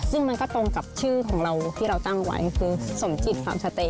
ซึ่งมันก็ตรงกับชื่อของเราที่เราตั้งไว้คือสมจิตฟาร์มสเตย